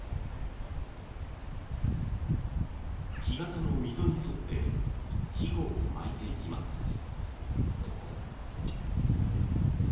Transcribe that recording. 木型の溝に沿ってひごを巻いていきます。